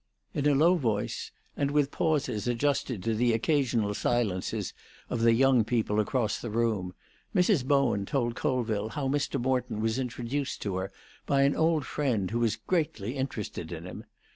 In a low voice, and with pauses adjusted to the occasional silences of the young people across the room, Mrs. Bowen told Colville how Mr. Morton was introduced to her by an old friend who was greatly interested in him.